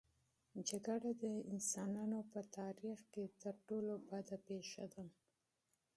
جګړه د انسانانو په تاریخ کې تر ټولو بده پېښه ده.